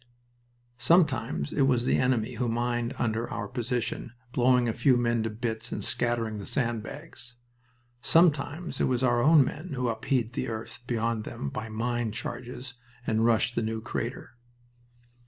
Sometimes it was the enemy who mined under our position, blowing a few men to bits and scattering the sand bags. Sometimes it was our men who upheaved the earth beyond them by mine charges and rushed the new crater.